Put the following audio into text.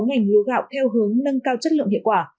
ngành lúa gạo theo hướng nâng cao chất lượng hiệu quả